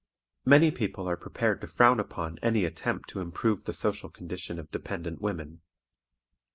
Many people are prepared to frown upon any attempt to improve the social condition of dependent women.